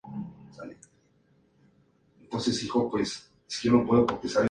Es bastante parecido con la "caza de brujas" ya que tiene varios denominadores comunes.